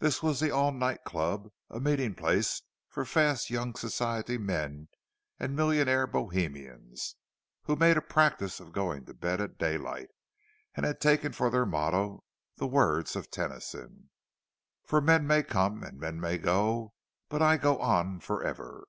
This was the "All Night" club, a meeting place of fast young Society men and millionaire Bohemians, who made a practice of going to bed at daylight, and had taken for their motto the words of Tennyson—"For men may come and men may go, but I go on for ever."